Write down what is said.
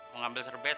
mau ambil serbet